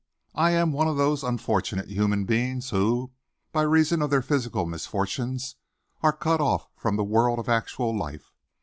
"I am one of those unfortunate human beings who, by reason of their physical misfortunes, are cut off from the world of actual life.